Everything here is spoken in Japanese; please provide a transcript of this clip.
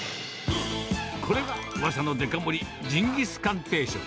これがうわさのデカ盛り、ジンギスカン定食。